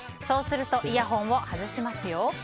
そうするとイヤホンを外しますよ。